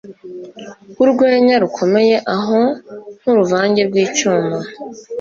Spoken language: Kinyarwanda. Urwenya rukomeye aho nk'uruvange rw'icyuma